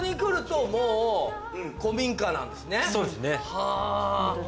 そうですね。